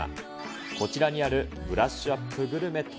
こちらにあるブラッシュアップグルメとは。